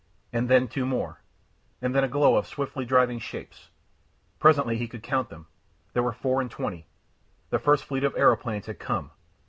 And then two more, and then a glow of swiftly driving shapes. Presently he could count them. There were four and twenty. The first fleet of aeroplanes had come!